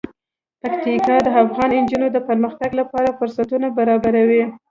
پکتیکا د افغان نجونو د پرمختګ لپاره فرصتونه برابروي.